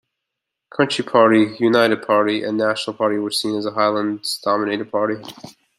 Country Party, United Party and National Party were seen as a Highlands dominated Party.